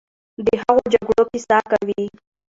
د هغو جګړو کیسه کوي،